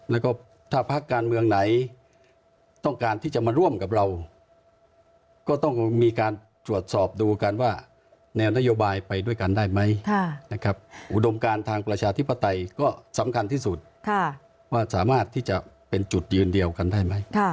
แล้วก็ถ้าพักการเมืองไหนต้องการที่จะมาร่วมกับเราก็ต้องมีการตรวจสอบดูกันว่าแนวนโยบายไปด้วยกันได้ไหมนะครับอุดมการทางประชาธิปไตยก็สำคัญที่สุดว่าสามารถที่จะเป็นจุดยืนเดียวกันได้ไหม